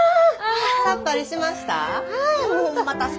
さっぱりしました？